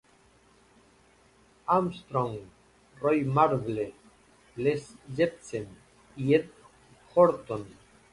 Armstrong, Roy Marble, Les Jepsen y Ed Horton.